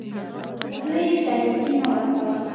په خوله یې شاهدي مه ورکوه .